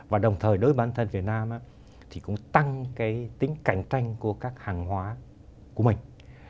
và đồng thời đối với bản thân việt nam thì cũng tăng cái tính cạnh tranh của các hàng hóa của mình